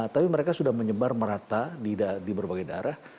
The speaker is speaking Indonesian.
tapi mereka sudah menyebar merata di berbagai daerah